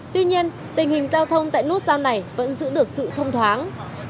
tuy nhiên tình hình giao thông tại nút giao này vẫn giữ được sự thông thoáng